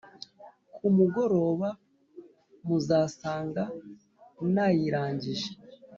kumugoroba muzasanga nayirangije”